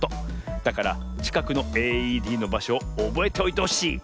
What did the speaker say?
だからちかくのＡＥＤのばしょをおぼえておいてほしい。